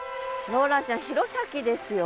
ローランちゃん弘前ですよ。